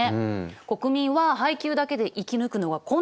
国民は配給だけで生き抜くのが困難だったの。